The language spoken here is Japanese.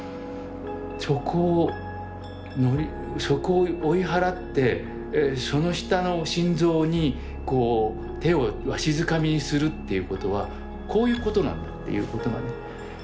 そこをそこを追い払ってその下の心臓にこう手をわしづかみにするっていうことはこういうことなんだっていうことがね。